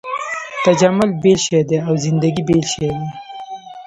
تجمل بېل شی دی او زندګي بېل شی دی.